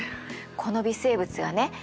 この微生物はね